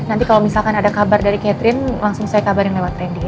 nanti kalau misalkan ada kabar dari catherine langsung saya kabarin lewat trending